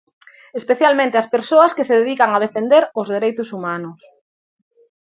Especialmente as persoas que se dedican a defender os dereitos humanos.